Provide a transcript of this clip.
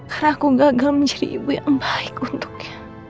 karena aku gagal menjadi ibu yang baik untuknya